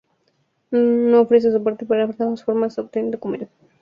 No ofrece soporte para los formatos OpenDocument.